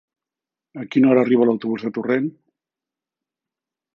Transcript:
A quina hora arriba l'autobús de Torrent?